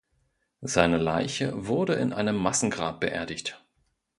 Seine Leiche wurde in einem Massengrab beerdigt.